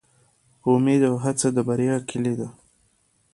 امید او هڅه د بریا کیلي ده